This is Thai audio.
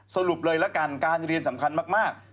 สรุปเลยละกันการเรียนสำคัญมาก